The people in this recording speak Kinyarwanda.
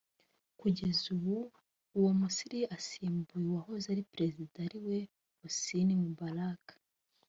Kugeza ubu uwo Mursi asimbuye wahoze ari perezida ariwe Hosni Mubarak